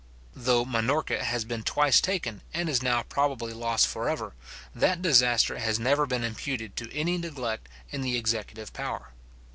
Though Minorca has been twice taken, and is now probably lost for ever, that disaster has never been imputed to any neglect in the executive power.